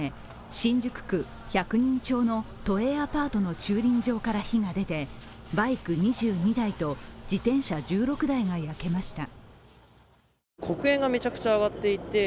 新宿区百人町の都営アパートの駐輪場から火が出てバイク２２台と自転車１６台が焼けました。